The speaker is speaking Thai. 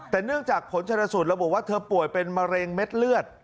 แต่เนื่องจากผลชนสูตรระบุว่าเธอป่วยเป็นมะเร็งเม็ดเลือด